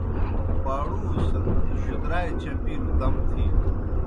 پاڑُو سہ جُدرائے چپِیلوْ دم تِھینوْ۔